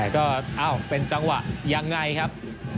ก็เป็นจังหวะยังไงครับ